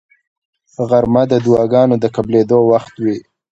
غرمه د دعاګانو د قبلېدو وخت وي